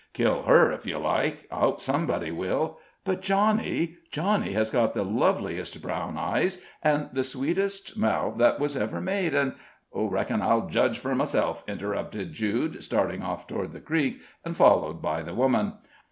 Kill her if you like I hope somebody will. But Johnny Johnny has got the loveliest brown eyes, and the sweetest mouth that was ever made, and " "Reckon I'll judge fur myself," interrupted Jude, starting off toward the creek, and followed by the woman.